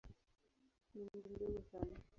Ni mji mdogo sana.